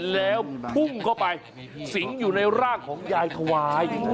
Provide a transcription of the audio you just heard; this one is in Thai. แล้วพุ่งเข้าไปสิงอยู่ในร่างของยายถวาย